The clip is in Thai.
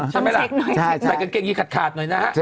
ใช่ไหมล่ะใส่กางเกงยีขาดหน่อยนะฮะ